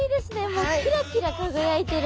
もうキラキラ輝いてる。